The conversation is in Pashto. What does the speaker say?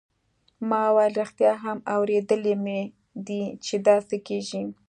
ما وویل ریښتیا هم اوریدلي مې دي چې داسې کیږي.